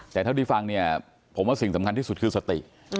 แต่เท่าที่ฟังเนี่ยผมว่าสิ่งสำคัญที่สุดคือสติ